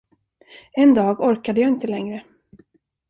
En dag orkade jag inte längre.